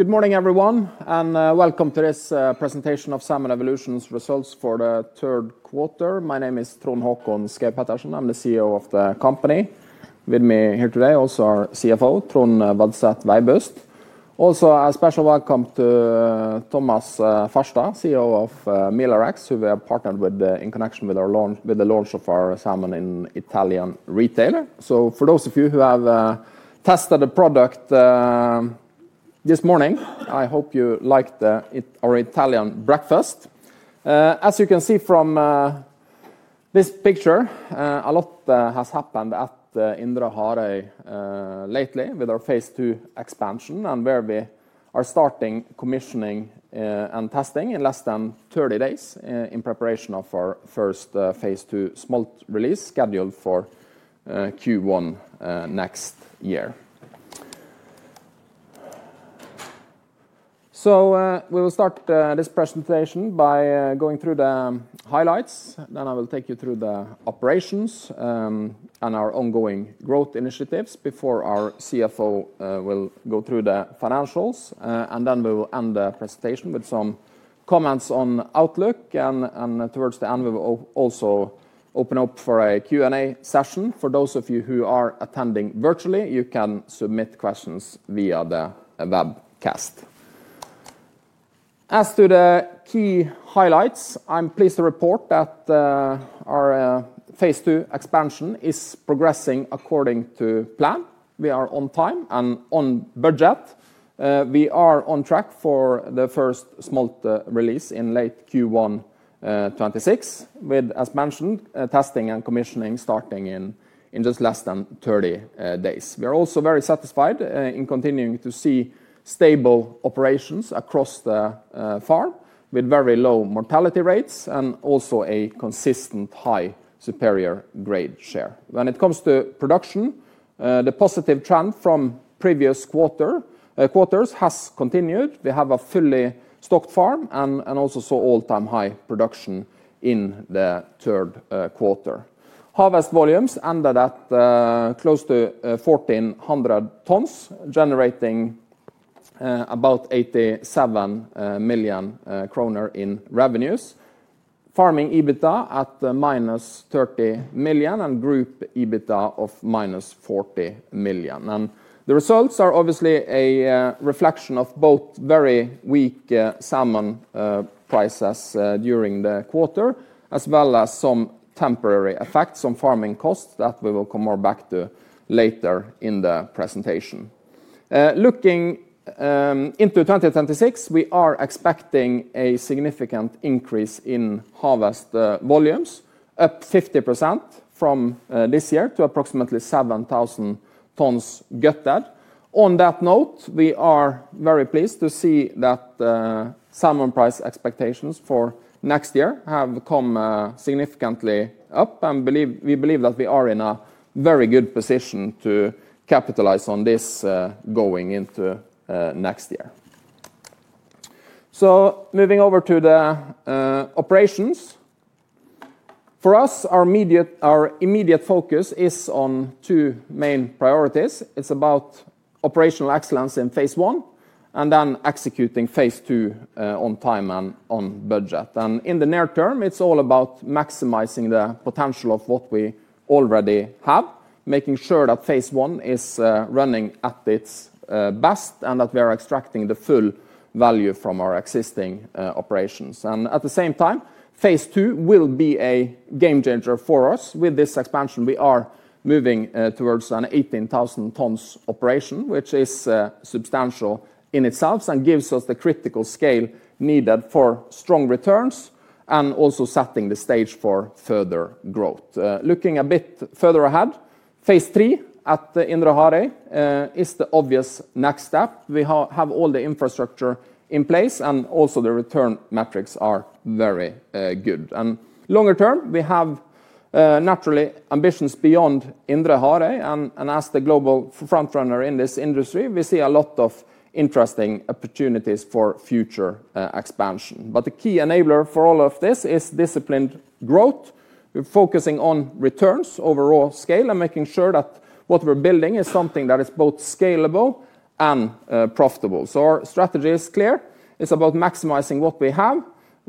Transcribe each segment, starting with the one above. Good morning, everyone, and welcome to this presentation of Salmon Evolution's results for the third quarter. My name is Trond Håkon Schaug-Pettersen. I'm the CEO of the company. With me here today also are CFO, Trond Vadset Veibust. Also, a special welcome to Thomas Farstad, CEO of Milarex, who we have partnered with in connection with the launch of our salmon in Italian retail. For those of you who have tested the product this morning, I hope you liked our Italian breakfast. As you can see from this picture, a lot has happened at Indre Harøy lately with our Phase 2 expansion, and where we are starting commissioning and testing in less than 30 days in preparation of our first Phase 2 smolt release scheduled for Q1 next year. We will start this presentation by going through the highlights. I will take you through the operations and our ongoing growth initiatives before our CFO will go through the financials. We will end the presentation with some comments on outlook. Towards the end, we will also open up for a Q&A session. For those of you who are attending virtually, you can submit questions via the webcast. As to the key highlights, I'm pleased to report that our Phase 2 expansion is progressing according to plan. We are on time and on budget. We are on track for the first smolt release in late Q1 2026, with, as mentioned, testing and commissioning starting in just less than 30 days. We are also very satisfied in continuing to see stable operations across the farm with very low mortality rates and also a consistent high superior grade share. When it comes to production, the positive trend from previous quarters has continued. We have a fully stocked farm and also saw all-time high production in the third quarter. Harvest volumes ended at close to 1,400 tons, generating about 87 million kroner in revenues. Farming EBITDA at minus 30 million and group EBITDA of minus 40 million. The results are obviously a reflection of both very weak salmon prices during the quarter, as well as some temporary effects on farming costs that we will come more back to later in the presentation. Looking into 2026, we are expecting a significant increase in harvest volumes, up 50% from this year to approximately 7,000 tons gutted. On that note, we are very pleased to see that salmon price expectations for next year have come significantly up. We believe that we are in a very good position to capitalize on this going into next year. Moving over to the operations. For us, our immediate focus is on two main priorities. It is about operational excellence in Phase 1 and then executing Phase 2 on time and on budget. In the near term, it is all about maximizing the potential of what we already have, making sure that Phase 1 is running at its best and that we are extracting the full value from our existing operations. At the same time, Phase 2 will be a game changer for us. With this expansion, we are moving towards an 18,000 tons operation, which is substantial in itself and gives us the critical scale needed for strong returns and also setting the stage for further growth. Looking a bit further ahead, Phase 3 at Indre Harøy is the obvious next step. We have all the infrastructure in place and also the return metrics are very good. Longer term, we have naturally ambitions beyond Indre Harøy. As the global frontrunner in this industry, we see a lot of interesting opportunities for future expansion. The key enabler for all of this is disciplined growth. We're focusing on returns, overall scale, and making sure that what we're building is something that is both scalable and profitable. Our strategy is clear. It's about maximizing what we have,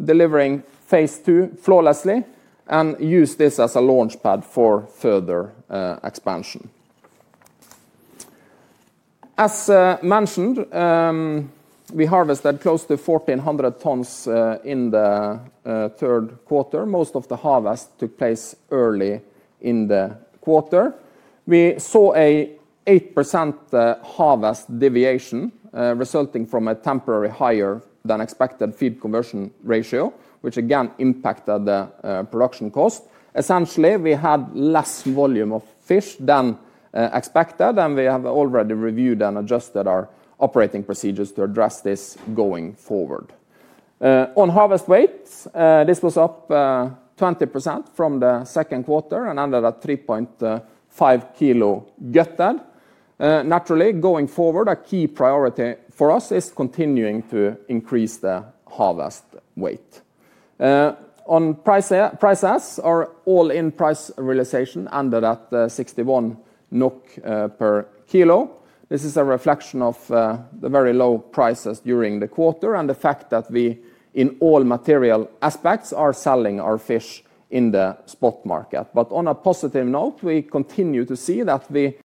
delivering Phase 2 flawlessly, and use this as a launchpad for further expansion. As mentioned, we harvested close to 1,400 tons in the third quarter. Most of the harvest took place early in the quarter. We saw an 8% harvest deviation resulting from a temporary higher-than-expected feed conversion ratio, which again impacted the production cost. Essentially, we had less volume of fish than expected, and we have already reviewed and adjusted our operating procedures to address this going forward. On harvest weight, this was up 20% from the second quarter and ended at 3.5 kg gutted. Naturally, going forward, a key priority for us is continuing to increase the harvest weight. On prices, our all-in price realization ended at 61 NOK/Kg. This is a reflection of the very low prices during the quarter and the fact that we, in all material aspects, are selling our fish in the spot market. On a positive note, we continue to see that we.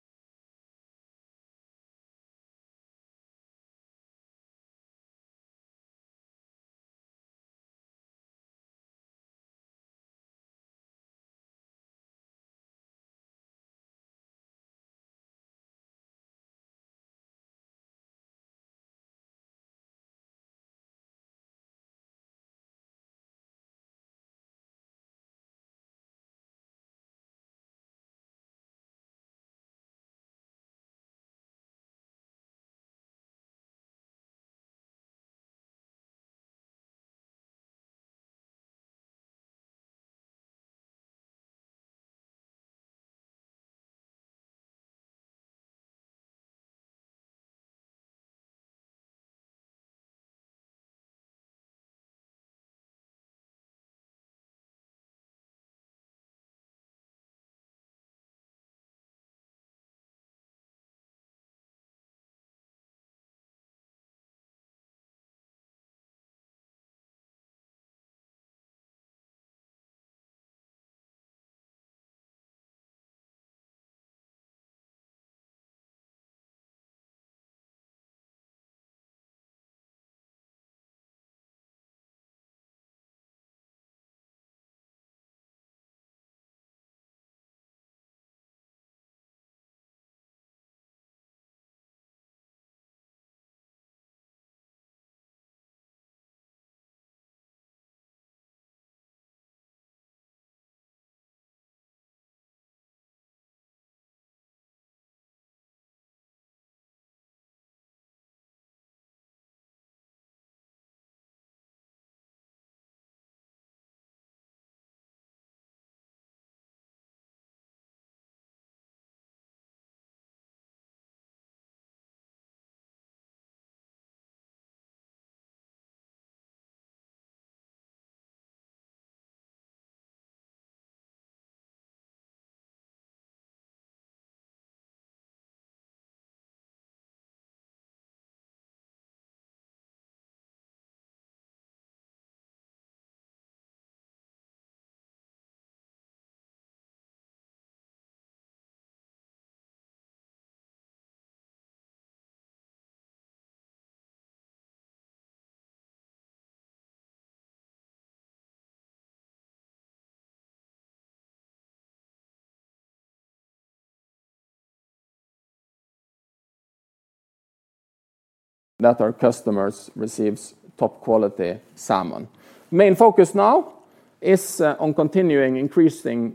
That our customers receive top-quality salmon. The main focus now is on continuing increasing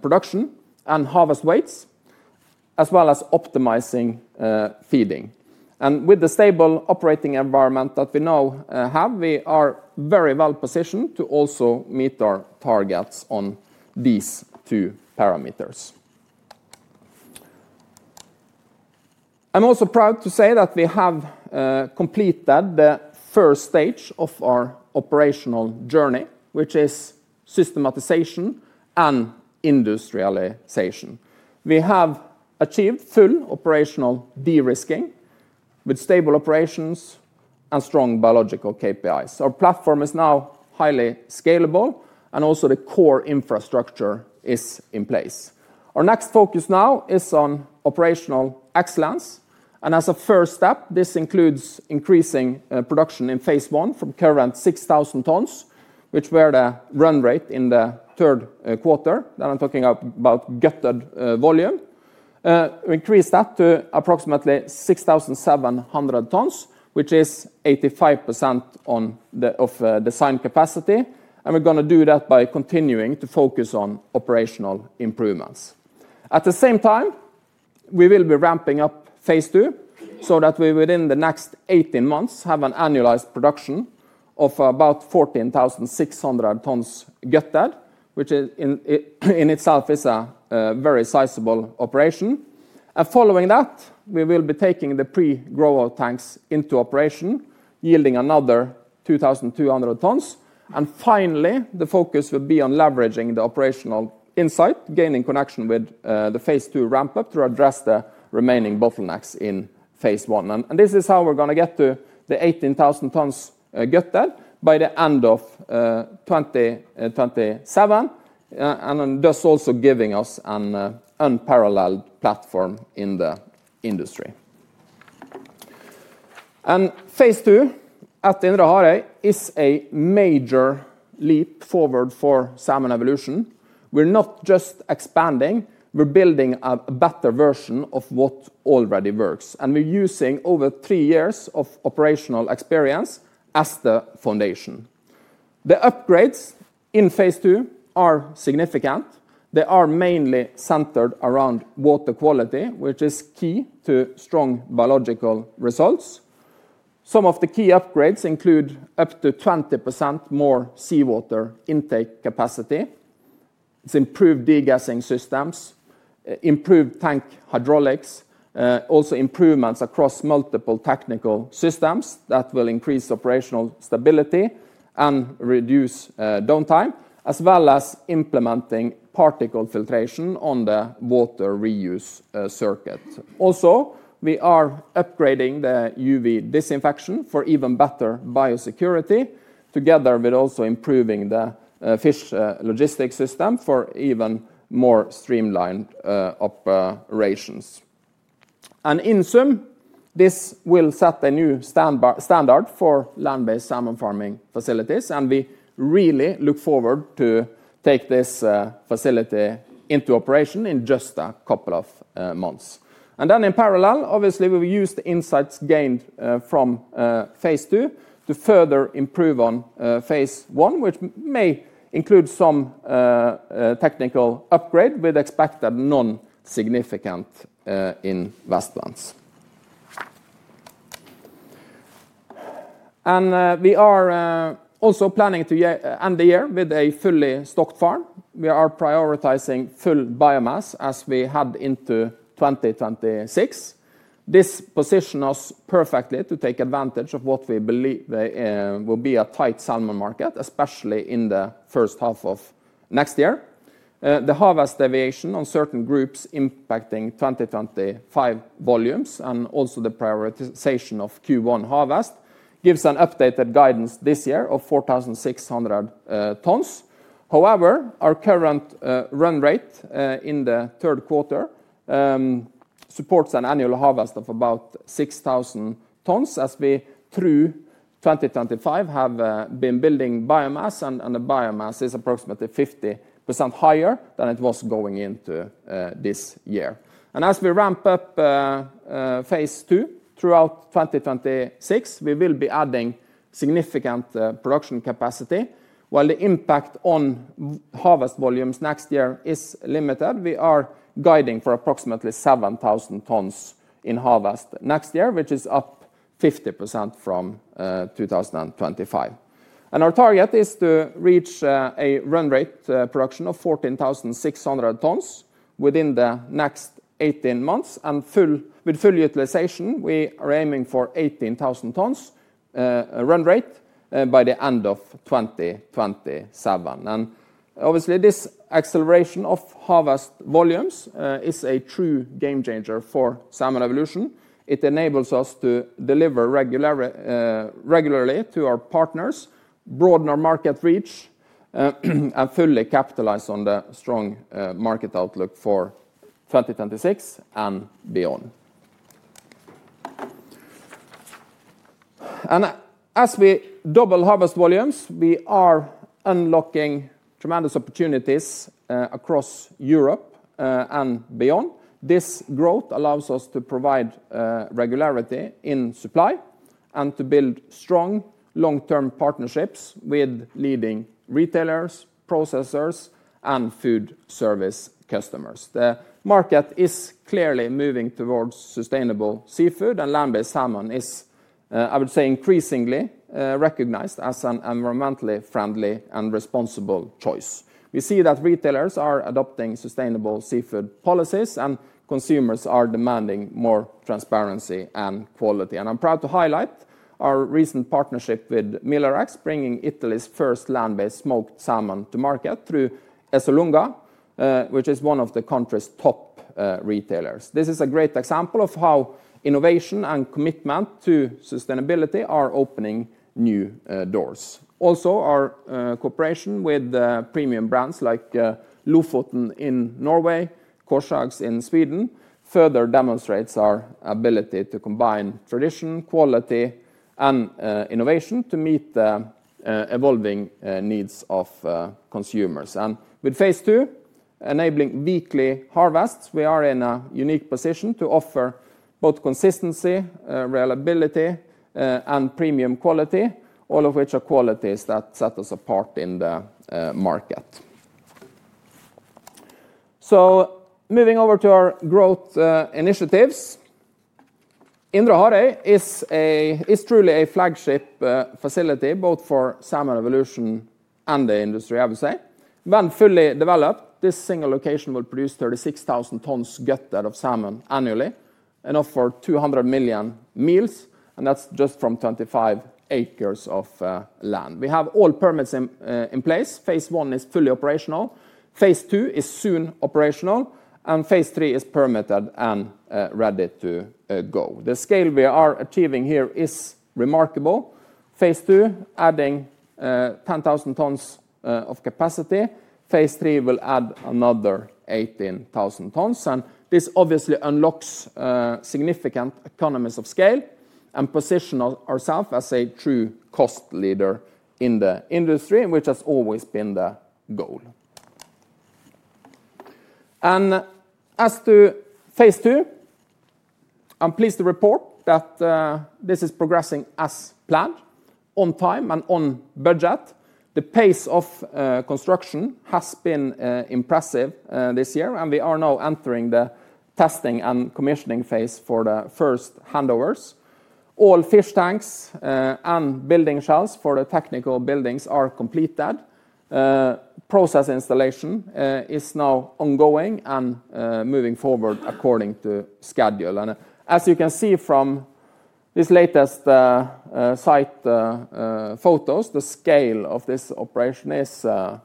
production and harvest weights, as well as optimizing feeding. With the stable operating environment that we now have, we are very well positioned to also meet our targets on these two parameters. I'm also proud to say that we have completed the first stage of our operational journey, which is systematization and industrialization. We have achieved full operational de-risking with stable operations and strong biological KPIs. Our platform is now highly scalable, and also the core infrastructure is in place. Our next focus now is on operational excellence. As a first step, this includes increasing production in Phase 1 from current 6,000 tons, which were the run rate in the third quarter. I'm talking about gutted volume. We increased that to approximately 6,700 tons, which is 85% of the design capacity. We are going to do that by continuing to focus on operational improvements. At the same time, we will be ramping up Phase 2 so that we, within the next 18 months, have an annualized production of about 14,600 tons gutted, which in itself is a very sizable operation. Following that, we will be taking the pre-growth tanks into operation, yielding another 2,200 tons. Finally, the focus will be on leveraging the operational insight gained in connection with the Phase 2 ramp-up to address the remaining bottlenecks in Phase 1. This is how we are going to get to the 18,000 tons gutted by the end of 2027. This is also giving us an unparalleled platform in the industry. Phase 2 at Indre Harøy is a major leap forward for Salmon Evolution. We are not just expanding; we are building a better version of what already works. We are using over three years of operational experience as the foundation. The upgrades in Phase 2 are significant. They are mainly centered around water quality, which is key to strong biological results. Some of the key upgrades include up to 20% more seawater intake capacity, improved de-gassing systems, improved tank hydraulics, also improvements across multiple technical systems that will increase operational stability and reduce downtime, as well as implementing particle filtration on the water reuse circuit. We are also upgrading the UV disinfection for even better biosecurity, together with improving the fish logistics system for even more streamlined operations. In sum, this will set a new standard for land-based salmon farming facilities. We really look forward to taking this facility into operation in just a couple of months. In parallel, obviously, we will use the insights gained from Phase 2 to further improve on Phase 1, which may include some technical upgrade with expected non-significant investments. We are also planning to end the year with a fully stocked farm. We are prioritizing full biomass as we head into 2026. This positions us perfectly to take advantage of what we believe will be a tight salmon market, especially in the first half of next year. The harvest deviation on certain groups impacting 2025 volumes and also the prioritization of Q1 harvest gives an updated guidance this year of 4,600 tons. However, our current run rate in the third quarter supports an annual harvest of about 6,000 tons, as we through 2025 have been building biomass, and the biomass is approximately 50% higher than it was going into this year. As we ramp up Phase 2 throughout 2026, we will be adding significant production capacity. While the impact on harvest volumes next year is limited, we are guiding for approximately 7,000 tons in harvest next year, which is up 50% from 2025. Our target is to reach a run rate production of 14,600 tons within the next 18 months. With full utilization, we are aiming for 18,000 tons run rate by the end of 2027. Obviously, this acceleration of harvest volumes is a true game-changer for Salmon Evolution. It enables us to deliver regularly to our partners, broaden our market reach, and fully capitalize on the strong market outlook for 2026 and beyond. As we double harvest volumes, we are unlocking tremendous opportunities across Europe and beyond. This growth allows us to provide regularity in supply and to build strong long-term partnerships with leading retailers, processors, and food service customers. The market is clearly moving towards sustainable seafood, and land-based salmon is, I would say, increasingly recognized as an environmentally friendly and responsible choice. We see that retailers are adopting sustainable seafood policies, and consumers are demanding more transparency and quality. I am proud to highlight our recent partnership with Milarex, bringing Italy's first land-based smoked salmon to market through Esselunga, which is one of the country's top retailers. This is a great example of how innovation and commitment to sustainability are opening new doors. Also, our cooperation with premium brands like Lofoten in Norway, Korshags in Sweden, further demonstrates our ability to combine tradition, quality, and innovation to meet the evolving needs of consumers. With Phase 2, enabling weekly harvests, we are in a unique position to offer both consistency, reliability, and premium quality, all of which are qualities that set us apart in the market. Moving over to our growth initiatives, Indre Harøy is truly a flagship facility both for Salmon Evolution and the industry, I would say. When fully developed, this single location will produce 36,000 tons gutted of salmon annually, enough for 200 million meals, and that is just from 25 acres of land. We have all permits in place. Phase 1 is fully operational. Phase 2 is soon operational, and Phase 3 is permitted and ready to go. The scale we are achieving here is remarkable. Phase 2, adding 10,000 tons of capacity. Phase 3 will add another 18,000 tons. This obviously unlocks significant economies of scale and positions ourselves as a true cost leader in the industry, which has always been the goal. As to Phase 2, I'm pleased to report that this is progressing as planned, on time and on budget. The pace of construction has been impressive this year, and we are now entering the testing and commissioning phase for the first handovers. All fish tanks and building shells for the technical buildings are completed. Process installation is now ongoing and moving forward according to schedule. As you can see from these latest site photos, the scale of this operation is, I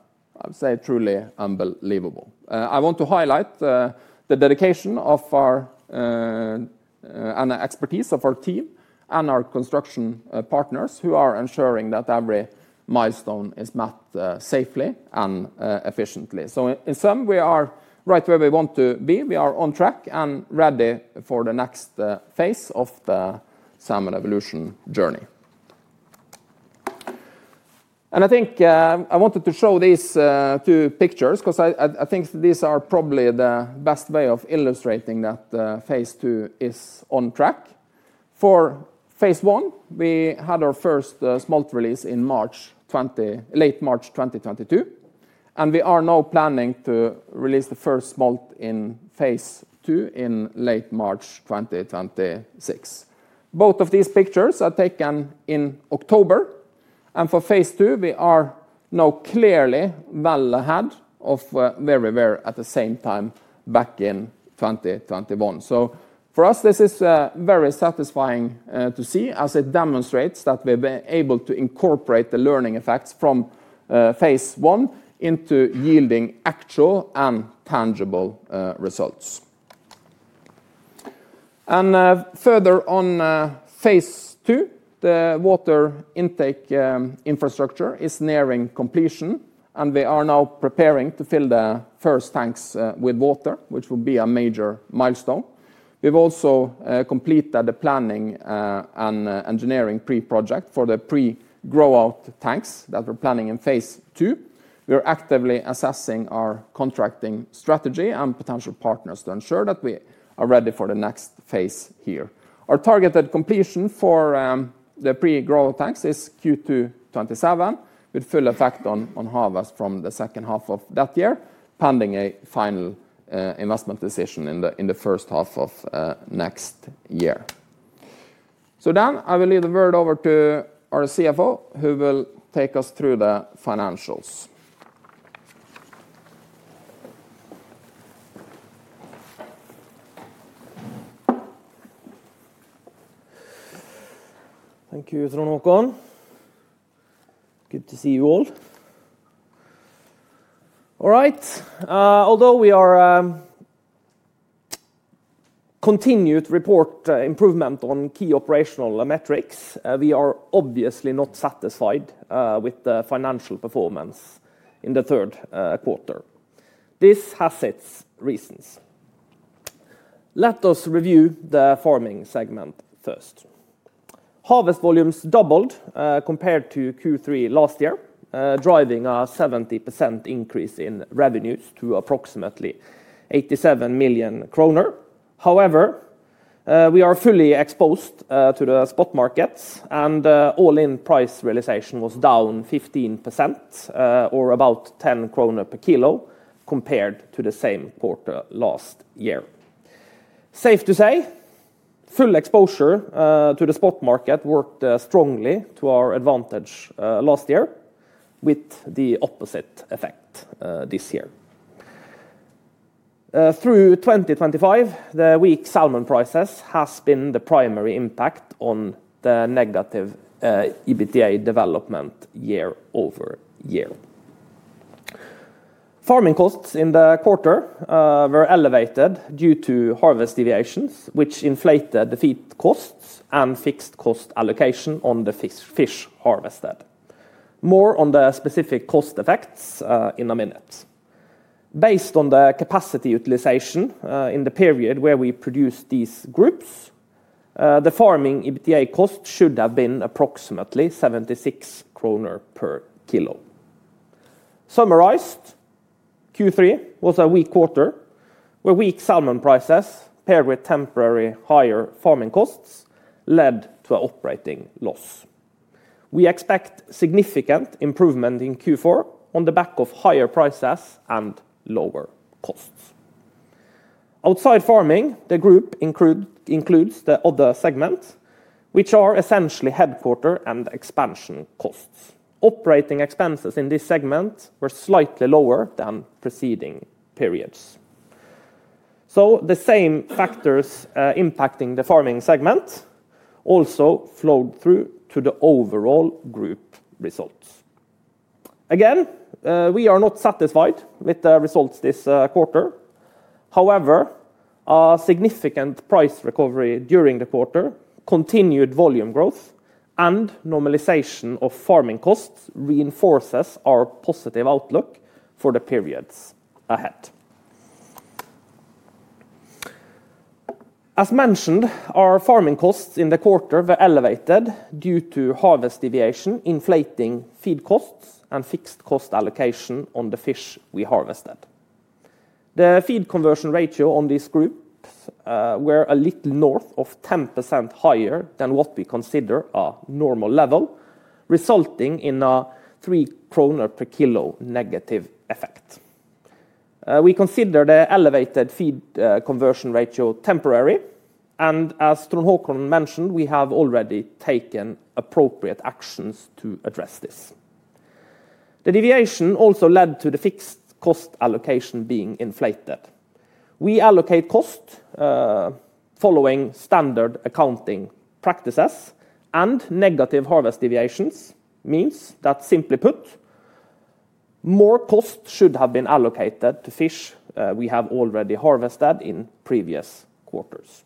would say, truly unbelievable. I want to highlight the dedication and the expertise of our team and our construction partners who are ensuring that every milestone is met safely and efficiently. In sum, we are right where we want to be. We are on track and ready for the next phase of the Salmon Evolution journey. I think I wanted to show these two pictures because I think these are probably the best way of illustrating that Phase 2 is on track. For Phase 1, we had our first smolt release in late March 2022, and we are now planning to release the first smolt in Phase 2 in late March 2026. Both of these pictures are taken in October. For Phase 2, we are now clearly well ahead of where we were at the same time back in 2021. For us, this is very satisfying to see as it demonstrates that we've been able to incorporate the learning effects from Phase 1 into yielding actual and tangible results. Further on Phase 2, the water intake infrastructure is nearing completion, and we are now preparing to fill the first tanks with water, which will be a major milestone. We've also completed the planning and engineering pre-project for the pre-growth tanks that we're planning in Phase 2. We're actively assessing our contracting strategy and potential partners to ensure that we are ready for the next phase here. Our targeted completion for the pre-growth tanks is Q2 2027, with full effect on harvest from the second half of that year, pending a final investment decision in the first half of next year. I will leave the word over to our CFO, who will take us through the financials. Thank you, Trond Håkon. Good to see you all. All right. Although we are continuing to report improvement on key operational metrics, we are obviously not satisfied with the financial performance in the third quarter. This has its reasons. Let us review the farming segment first. Harvest volumes doubled compared to Q3 last year, driving a 70% increase in revenues to approximately 87 million kroner. However, we are fully exposed to the spot markets, and all-in price realization was down 15%, or about 10 NOK/Kg, compared to the same quarter last year. Safe to say, full exposure to the spot market worked strongly to our advantage last year, with the opposite effect this year. Through 2025, the weak salmon prices have been the primary impact on the negative EBITDA development year-over-year. Farming costs in the quarter were elevated due to harvest deviations, which inflated the feed costs and fixed cost allocation on the fish harvested. More on the specific cost effects in a minute. Based on the capacity utilization in the period where we produced these groups, the farming EBITDA cost should have been approximately 76 NOK/Kg. Summarized, Q3 was a weak quarter, where weak salmon prices, paired with temporary higher farming costs, led to an operating loss. We expect significant improvement in Q4 on the back of higher prices and lower costs. Outside farming, the group includes the other segments, which are essentially headquarter and expansion costs. Operating expenses in this segment were slightly lower than preceding periods. The same factors impacting the farming segment also flowed through to the overall group results. Again, we are not satisfied with the results this quarter. However, a significant price recovery during the quarter, continued volume growth, and normalization of farming costs reinforces our positive outlook for the periods ahead. As mentioned, our farming costs in the quarter were elevated due to harvest deviation, inflating feed costs, and fixed cost allocation on the fish we harvested. The feed conversion ratio on this group was a little north of 10% higher than what we consider a normal level, resulting in a 3 NOK/Kg negative effect. We consider the elevated feed conversion ratio temporary, and as Trond Håkon mentioned, we have already taken appropriate actions to address this. The deviation also led to the fixed cost allocation being inflated. We allocate costs following standard accounting practices, and negative harvest deviations mean that, simply put, more costs should have been allocated to fish we have already harvested in previous quarters.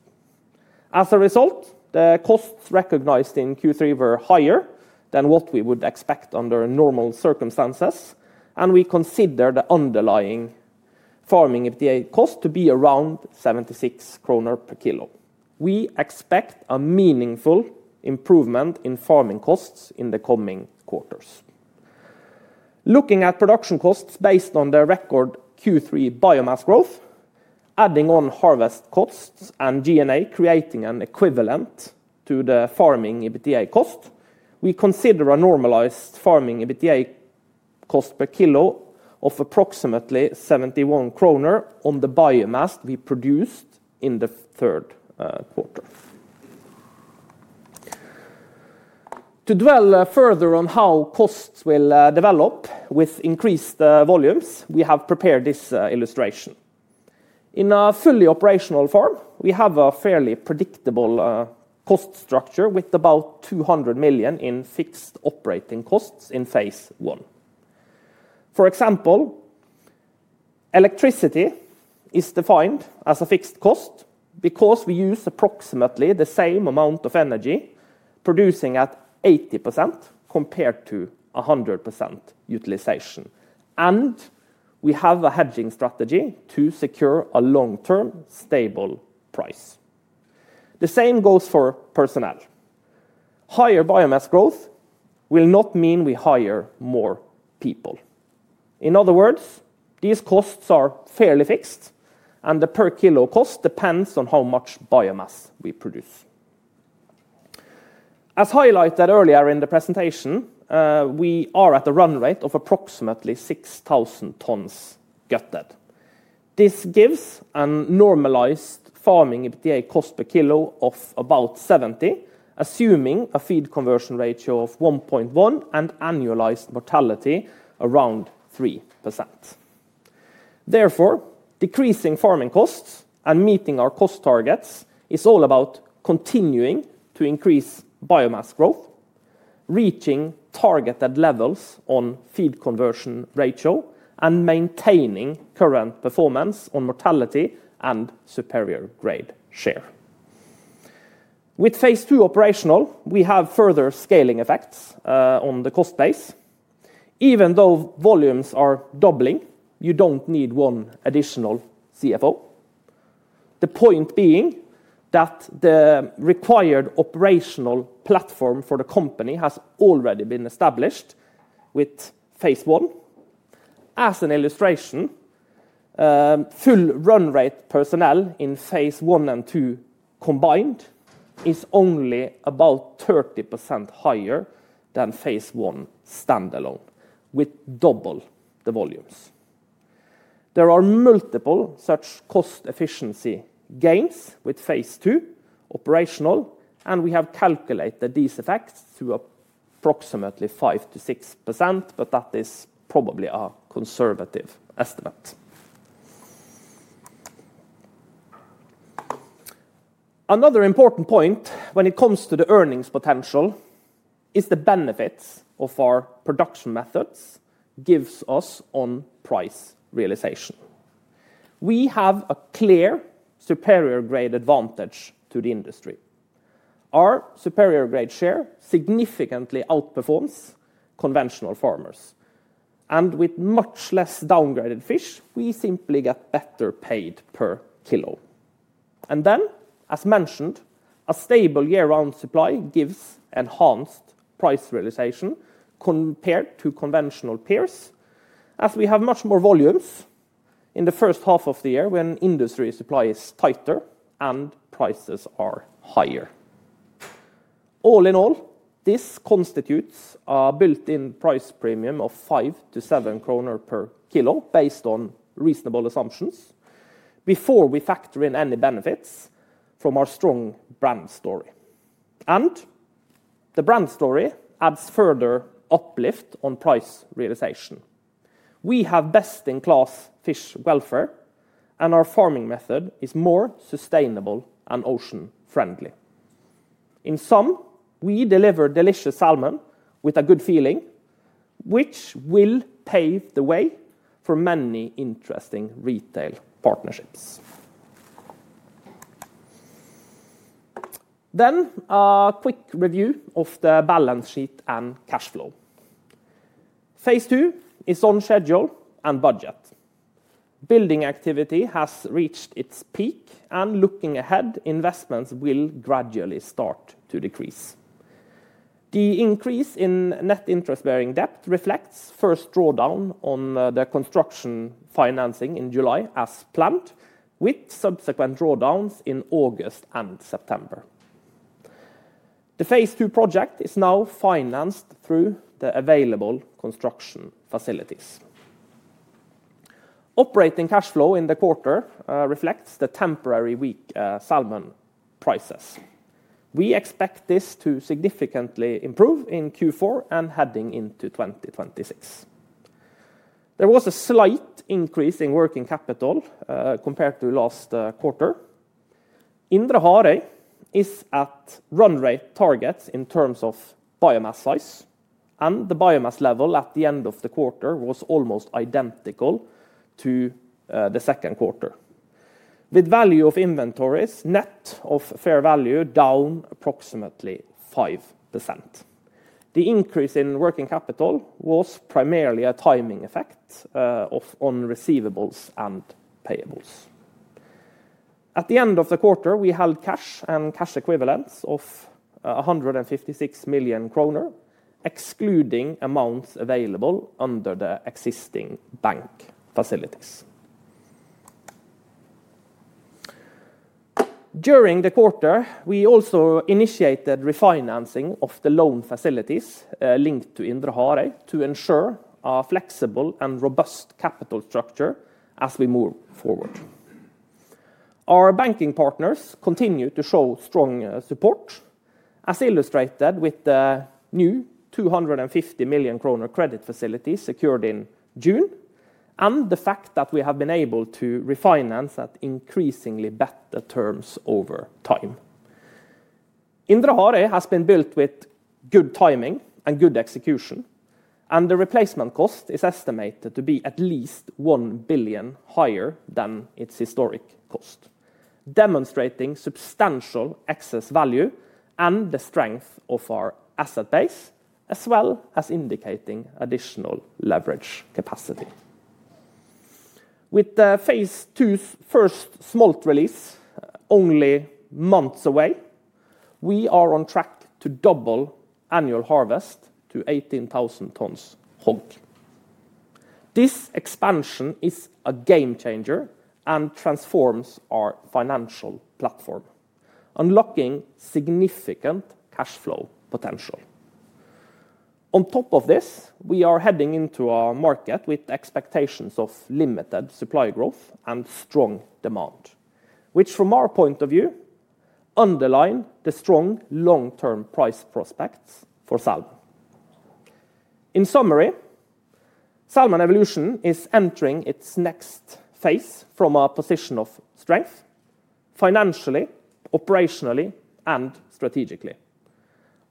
As a result, the costs recognized in Q3 were higher than what we would expect under normal circumstances, and we consider the underlying farming EBITDA cost to be around 76 NOK/Kg. We expect a meaningful improvement in farming costs in the coming quarters. Looking at production costs based on the record Q3 biomass growth, adding on harvest costs and GNA creating an equivalent to the farming EBITDA cost, we consider a normalized farming EBITDA cost per kilo of approximately 71 kroner on the biomass we produced in the third quarter. To dwell further on how costs will develop with increased volumes, we have prepared this illustration. In a fully operational farm, we have a fairly predictable cost structure with about 200 million in fixed operating costs in Phase 1. For example, electricity is defined as a fixed cost because we use approximately the same amount of energy, producing at 80% compared to 100% utilization. We have a hedging strategy to secure a long-term stable price. The same goes for personnel. Higher biomass growth will not mean we hire more people. In other words, these costs are fairly fixed, and the per-kilo cost depends on how much biomass we produce. As highlighted earlier in the presentation, we are at a run rate of approximately 6,000 tons gutted. This gives a normalized farming EBITDA cost per-kilo of about 70, assuming a feed conversion ratio of 1.1 and annualized mortality around 3%. Therefore, decreasing farming costs and meeting our cost targets is all about continuing to increase biomass growth, reaching targeted levels on feed conversion ratio, and maintaining current performance on mortality and superior grade share. With Phase 2 operational, we have further scaling effects on the cost base. Even though volumes are doubling, you do not need one additional CFO. The point being that the required operational platform for the company has already been established with Phase 1. As an illustration, full run rate personnel in Phase 1 and Phase 2 combined is only about 30% higher than Phase 1 standalone, with double the volumes. There are multiple such cost efficiency gains with Phase 2 operational, and we have calculated these effects to approximately 5%-6%, but that is probably a conservative estimate. Another important point when it comes to the earnings potential is the benefits our production methods give us on price realization. We have a clear superior grade advantage to the industry. Our superior grade share significantly outperforms conventional farmers. With much less downgraded fish, we simply get better paid per kilo. As mentioned, a stable year-round supply gives enhanced price realization compared to conventional peers, as we have much more volumes in the first half of the year when industry supply is tighter and prices are higher. All in all, this constitutes a built-in price premium of 5-7 NOK/Kg based on reasonable assumptions before we factor in any benefits from our strong brand story. The brand story adds further uplift on price realization. We have best-in-class fish welfare, and our farming method is more sustainable and ocean-friendly. In sum, we deliver delicious salmon with a good feeling, which will pave the way for many interesting retail partnerships. A quick review of the balance sheet and cash flow. Phase 2 is on schedule and budget. Building activity has reached its peak, and looking ahead, investments will gradually start to decrease. The increase in net interest-bearing debt reflects first drawdown on the construction financing in July as planned, with subsequent drawdowns in August and September. The Phase 2 project is now financed through the available construction facilities. Operating cash flow in the quarter reflects the temporary weak salmon prices. We expect this to significantly improve in Q4 and heading into 2026. There was a slight increase in working capital compared to last quarter. Indre Harøy is at run rate targets in terms of biomass size, and the biomass level at the end of the quarter was almost identical to the second quarter, with value of inventories net of fair value down approximately 5%. The increase in working capital was primarily a timing effect on receivables and payables. At the end of the quarter, we held cash and cash equivalents of 156 million kroner, excluding amounts available under the existing bank facilities. During the quarter, we also initiated refinancing of the loan facilities linked to Indre Harøy to ensure a flexible and robust capital structure as we move forward. Our banking partners continue to show strong support, as illustrated with the new 250 million kroner credit facility secured in June and the fact that we have been able to refinance at increasingly better terms over time. Indre Harøy has been built with good timing and good execution, and the replacement cost is estimated to be at least 1 billion higher than its historic cost, demonstrating substantial excess value and the strength of our asset base, as well as indicating additional leverage capacity. With Phase 2's first smolt release only months away, we are on track to double annual harvest to 18,000 tons gutted weight. This expansion is a game-changer and transforms our financial platform, unlocking significant cash flow potential. On top of this, we are heading into a market with expectations of limited supply growth and strong demand, which, from our point of view, underline the strong long-term price prospects for salmon. In summary, Salmon Evolution is entering its next phase from a position of strength, financially, operationally, and strategically.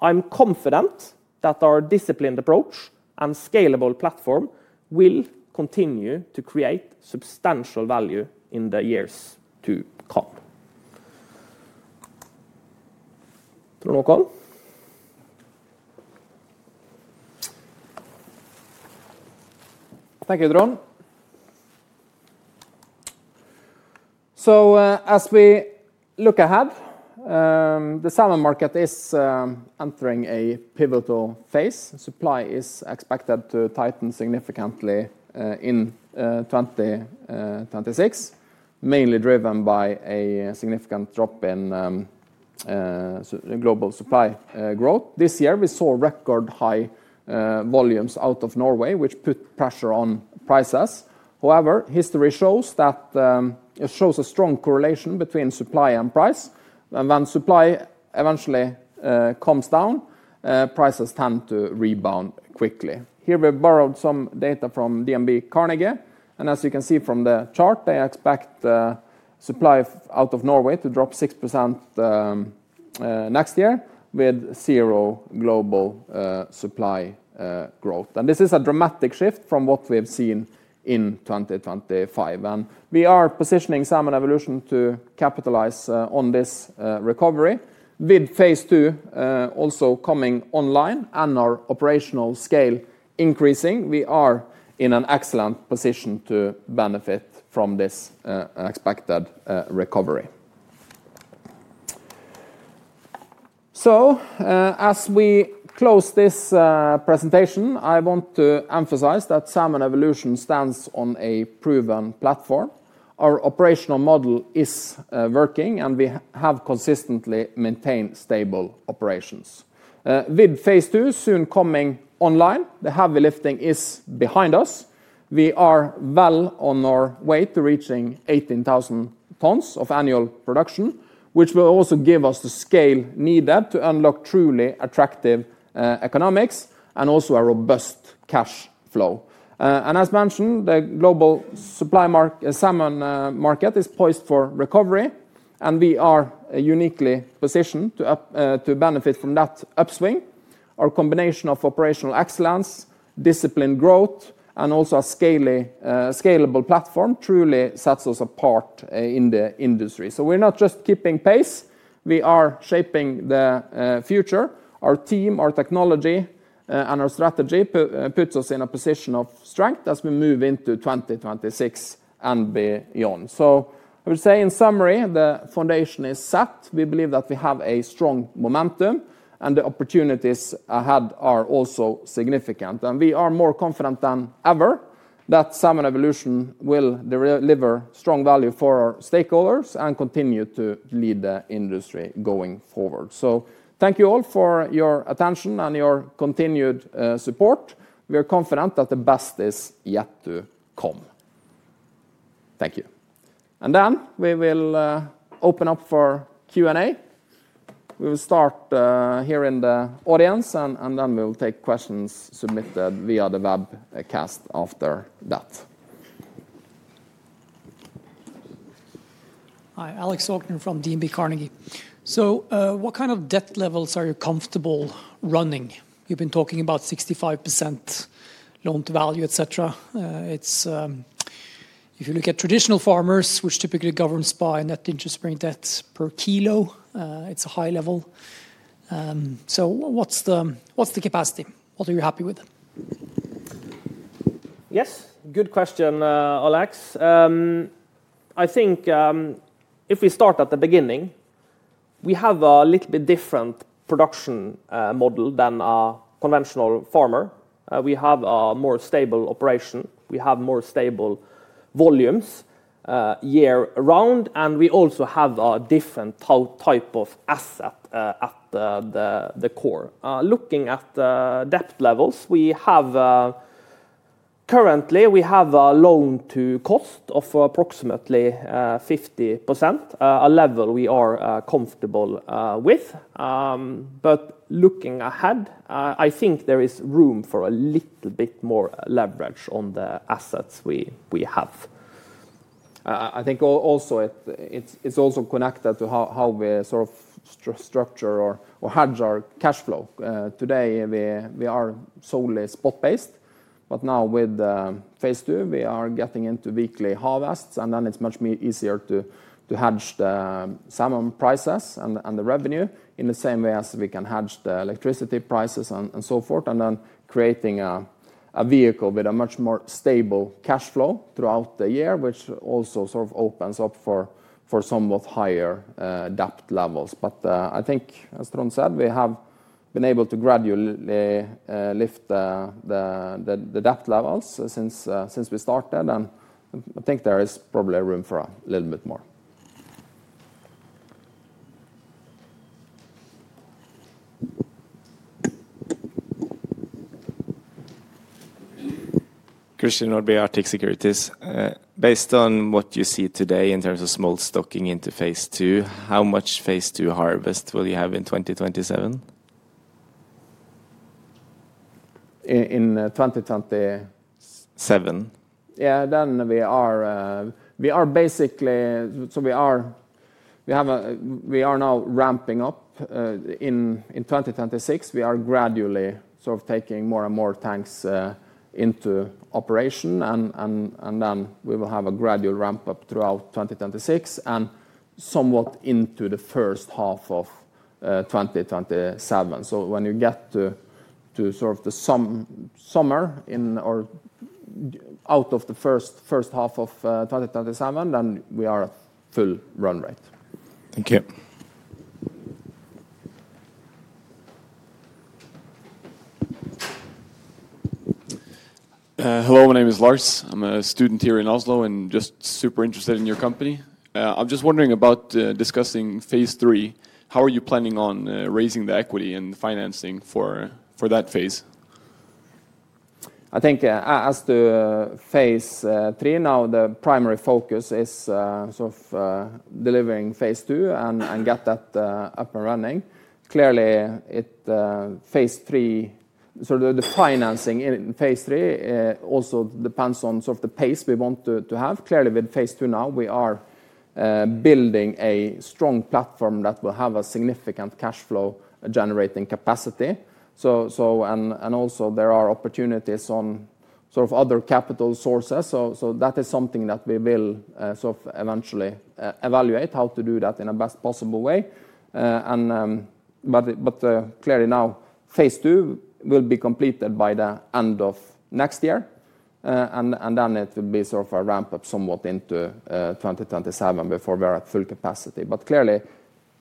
I'm confident that our disciplined approach and scalable platform will continue to create substantial value in the years to come. Trond Håkon. Thank you, Trond. As we look ahead, the salmon market is entering a pivotal phase. Supply is expected to tighten significantly in 2026, mainly driven by a significant drop in global supply growth. This year, we saw record-high volumes out of Norway, which put pressure on prices. However, history shows that it shows a strong correlation between supply and price. When supply eventually comes down, prices tend to rebound quickly. Here, we borrowed some data from DNB Carnegie, and as you can see from the chart, they expect supply out of Norway to drop 6% next year with zero global supply growth. This is a dramatic shift from what we have seen in 2025. We are positioning Salmon Evolution to capitalize on this recovery, with Phase 2 also coming online and our operational scale increasing. We are in an excellent position to benefit from this expected recovery. As we close this presentation, I want to emphasize that Salmon Evolution stands on a proven platform. Our operational model is working, and we have consistently maintained stable operations. With Phase 2 soon coming online, the heavy lifting is behind us. We are well on our way to reaching 18,000 tons of annual production, which will also give us the scale needed to unlock truly attractive economics and also a robust cash flow. As mentioned, the global supply market salmon market is poised for recovery, and we are uniquely positioned to benefit from that upswing. Our combination of operational excellence, disciplined growth, and also a scalable platform truly sets us apart in the industry. We are not just keeping pace; we are shaping the future. Our team, our technology, and our strategy put us in a position of strength as we move into 2026 and beyond. I would say, in summary, the foundation is set. We believe that we have a strong momentum, and the opportunities ahead are also significant. We are more confident than ever that Salmon Evolution will deliver strong value for our stakeholders and continue to lead the industry going forward. Thank you all for your attention and your continued support. We are confident that the best is yet to come. Thank you. We will open up for Q&A. We will start here in the audience, and then we will take questions submitted via the webcast after that. Hi, Alex Aukner from DNB Carnegie. What kind of debt levels are you comfortable running? You have been talking about 65% loan-to-value, etc. If you look at traditional farmers, which typically governs by net interest-bearing debt per kilo, it is a high level. What is the capacity? What are you happy with? Yes, good question, Alex. I think if we start at the beginning, we have a little bit different production model than a conventional farmer. We have a more stable operation. We have more stable volumes year-round, and we also have a different type of asset at the core. Looking at debt levels, currently we have a loan-to-cost of approximately 50%, a level we are comfortable with. Looking ahead, I think there is room for a little bit more leverage on the assets we have. I think it's also connected to how we sort of structure or hedge our cash flow. Today, we are solely spot-based, but now with Phase 2, we are getting into weekly harvests, and then it is much easier to hedge the salmon prices and the revenue in the same way as we can hedge the electricity prices and so forth, and then creating a vehicle with a much more stable cash flow throughout the year, which also sort of opens up for somewhat higher debt levels. I think, as Trond said, we have been able to gradually lift the debt levels since we started, and I think there is probably room for a little bit more. Christian Nordby, Arctic Securities. Based on what you see today in terms of smolt stocking into Phase 2, how much Phase 2 harvest will you have in 2027? In 2027? Yeah, then we are basically, so we are now ramping up. In 2026, we are gradually sort of taking more and more tanks into operation, and then we will have a gradual ramp-up throughout 2026 and somewhat into the first half of 2027. When you get to sort of the summer out of the first half of 2027, then we are at full run rate. Thank you. Hello, my name is Lars. I'm a student here in Oslo and just super interested in your company. I'm just wondering about discussing Phase 3. How are you planning on raising the equity and financing for that phase? I think as to Phase 3, now the primary focus is sort of delivering Phase 2 and get that up and running. Clearly, Phase 3, so the financing in Phase 3 also depends on sort of the pace we want to have. Clearly, with Phase 2 now, we are building a strong platform that will have a significant cash flow-generating capacity. Also, there are opportunities on sort of other capital sources. That is something that we will sort of eventually evaluate how to do that in a best possible way. Clearly now, Phase 2 will be completed by the end of next year, and then it will be sort of a ramp-up somewhat into 2027 before we are at full capacity. Clearly,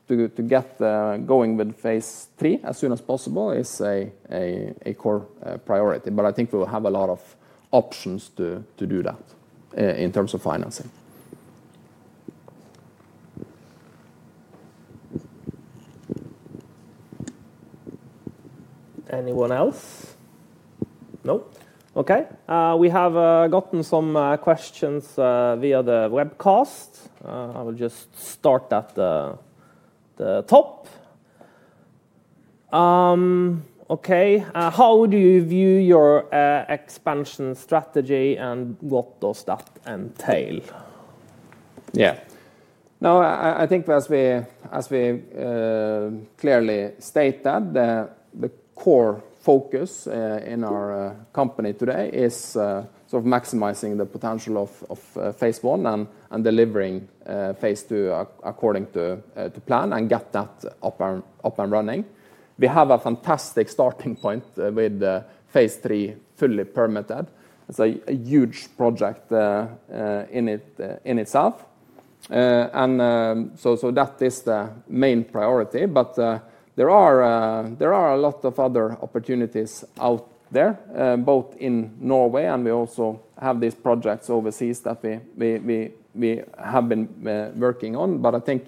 to get going with Phase 3 as soon as possible is a core priority. I think we will have a lot of options to do that in terms of financing. Anyone else? No? Okay. We have gotten some questions via the webcast. I will just start at the top. Okay. How do you view your expansion strategy, and what does that entail? Yeah. No, I think as we clearly stated, the core focus in our company today is sort of maximizing the potential of Phase 1 and delivering Phase 2 according to plan and get that up and running. We have a fantastic starting point with Phase 3 fully permitted. It's a huge project in itself. That is the main priority. There are a lot of other opportunities out there, both in Norway, and we also have these projects overseas that we have been working on. I think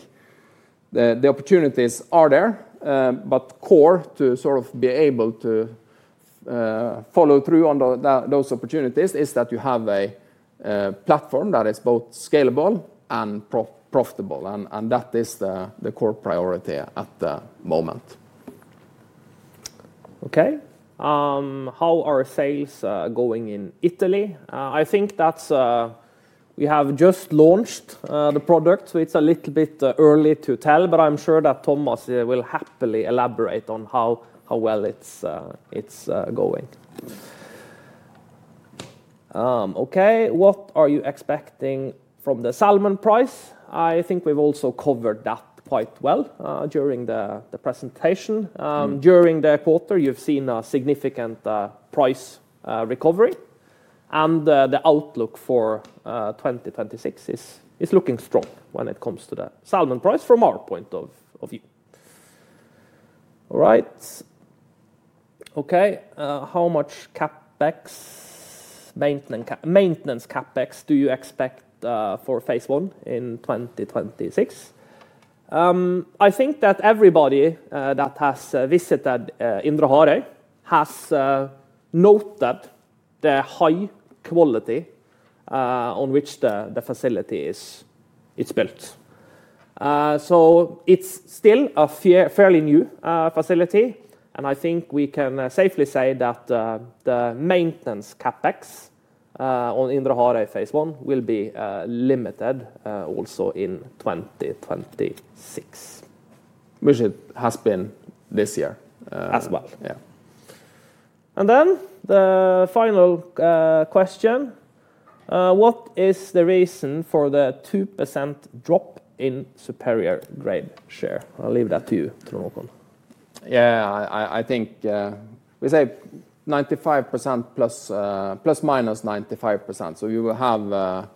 the opportunities are there. Core to sort of be able to follow through on those opportunities is that you have a platform that is both scalable and profitable. That is the core priority at the moment. Okay. How are sales going in Italy? I think that we have just launched the product, so it's a little bit early to tell, but I'm sure that Thomas will happily elaborate on how well it's going. Okay. What are you expecting from the salmon price? I think we've also covered that quite well during the presentation. During the quarter, you've seen a significant price recovery. And the outlook for 2026 is looking strong when it comes to the salmon price from our point of view. All right. Okay. How much CapEx, maintenance CapEx do you expect for Phase 1 in 2026? I think that everybody that has visited Indre Harøy has noted the high quality on which the facility is built. So it's still a fairly new facility, and I think we can safely say that the maintenance CapEx on Indre Harøy Phase 1 will be limited also in 2026. Which it has been this year as well. Yeah. And then the final question. What is the reason for the 2% drop in superior grade share? I'll leave that to you, Trond Håkon. Yeah, I think we say ±95%. So we will have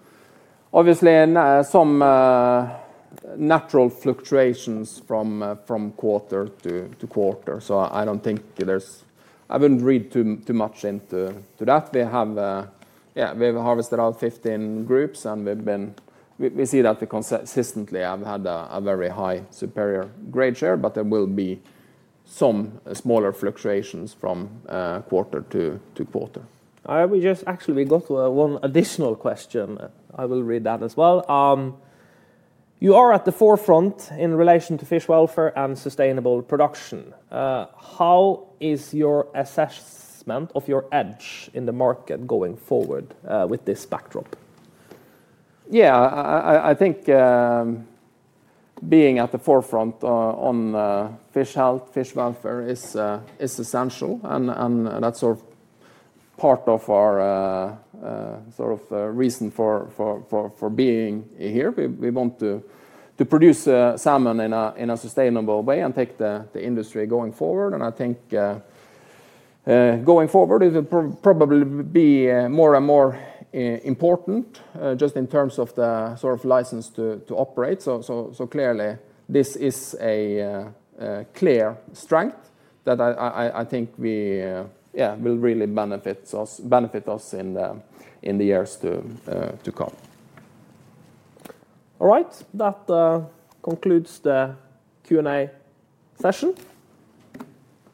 obviously some natural fluctuations from quarter to quarter. I don't think there's, I wouldn't read too much into that. Yeah, we've harvested out 15 groups, and we see that we consistently have had a very high superior grade share, but there will be some smaller fluctuations from quarter to quarter. Actually, we got one additional question. I will read that as well. You are at the forefront in relation to fish welfare and sustainable production. How is your assessment of your edge in the market going forward with this backdrop? Yeah, I think being at the forefront on fish health, fish welfare is essential, and that's sort of part of our sort of reason for being here. We want to produce salmon in a sustainable way and take the industry going forward. I think going forward, it will probably be more and more important just in terms of the sort of license to operate. Clearly, this is a clear strength that I think will really benefit us in the years to come. All right. That concludes the Q&A session.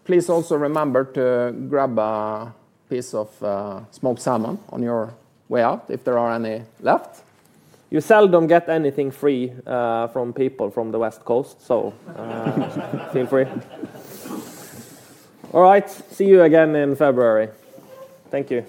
Please also remember to grab a piece of smoked salmon on your way out if there are any left. You seldom get anything free from people from the West Coast, so feel free. All right. See you again in February. Thank you.